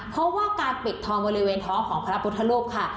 เพราะว่าการปิดทองบริเวณท้องของพระพุทธรูปค่ะ